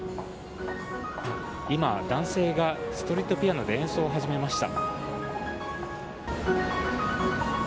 今、男性がストリートピアノで演奏を始めました。